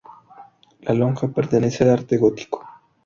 La lonja pertenece al arte Gótico.